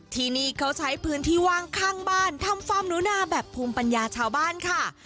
ที่นี่เขาใช้พื้นที่ว่างข้างบ้านทำฟาร์มหนูนาแบบภูมิปัญญาชาวบ้านค่ะ